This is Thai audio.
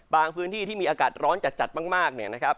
พื้นที่ที่มีอากาศร้อนจัดมากเนี่ยนะครับ